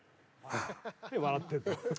何笑ってんの？